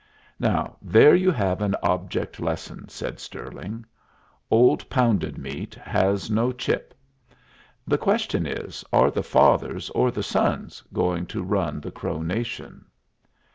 "Now there you have an object lesson," said Stirling. "Old Pounded Meat has no chip. The question is, are the fathers or the sons going to run the Crow Nation?"